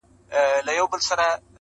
بیا به خامخا یوه توره بلا وي-